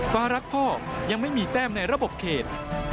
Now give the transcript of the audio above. ฟ้ารักพ่อยังไม่มีแต้มในระบบเขต